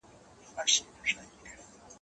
ستا په څېر مي هغه هم بلا د ځان دئ